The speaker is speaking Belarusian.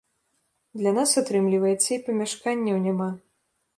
Для нас, атрымліваецца, і памяшканняў няма.